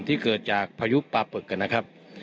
ที่เกิดจากพายุปลาปึกนะครับ